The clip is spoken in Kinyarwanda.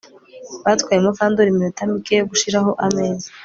Byatwaye Mukandoli iminota mike yo gushiraho ameza